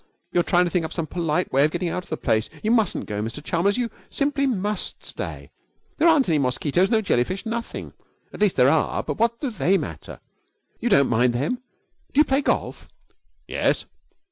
You're trying to think up some polite way of getting out of the place! You mustn't go, Mr Chalmers; you simply must stay. There aren't any mosquitoes, no jellyfish nothing! At least, there are; but what do they matter? You don't mind them. Do you play golf?' 'Yes.'